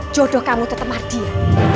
jodoh kamu tetemah dia